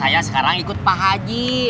saya sekarang ikut pak haji